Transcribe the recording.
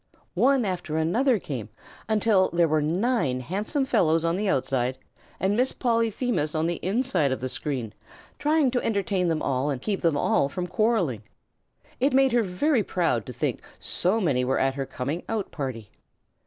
One after another came, until there were nine handsome fellows on the outside and Miss Polyphemus on the inside of the screen trying to entertain them all and keep them from quarrelling. It made her very proud to think so many were at her coming out party.